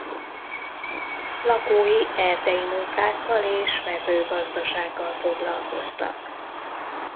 Lakói erdei munkákkal és mezőgazdasággal foglalkoztak.